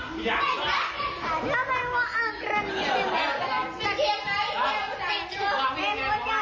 มันจบให้เขินทีม